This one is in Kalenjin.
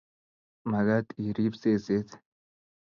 Magaat iriib seset